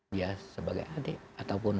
dia sebagai adik ataupun